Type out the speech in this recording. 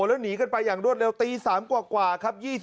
แล้วหนีกันไปอย่างรวดเร็วตี๓กว่าครับ